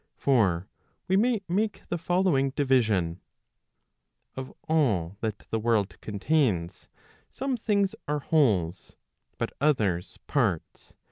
For we may make the following division: Of all that the world contains, some things are wholes, but others parts'.